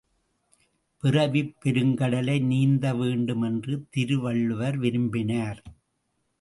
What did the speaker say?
பிறவிப் பெருங்கடலை நீந்த வேண்டும் என்று திருவள்ளுவர் விரும்பினார்.